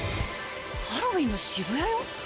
ハロウィンの渋谷よ？